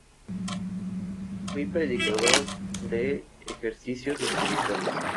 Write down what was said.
Fua predicador de Ejercicios Espirituales.